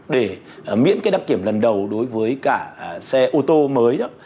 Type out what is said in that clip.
để miễn cái đăng kiểm lần đầu đối với cả xe ô tô mới đó